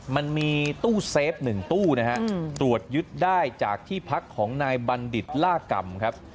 มันมีตู้เซฟ๑ตู้นะฮะตรวจยึดได้จากที่พักของนายบัณฑิตล่ากรรมครับ